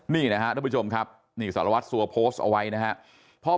นี่นะค่ะทุกผู้ชมสารวัตรสัวโพสต์เอาไว้นะครับ